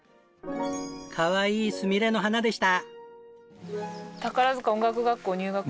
かわいいすみれの花でした。